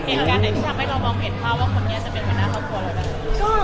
เห็นการอะไรที่ทำให้เรามองเห็นภาพว่าคนนี้จะเป็นหน้าครอบครัวเราได้